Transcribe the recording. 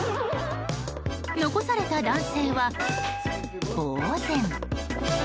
残された男性は、ぼうぜん。